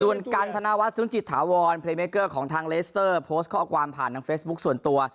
ส่วนการธนวัตรสูญจิตถาวรของทางเลสเตอร์โพสต์ข้ออากวามผ่านทางเฟซบุ๊กส่วนตัว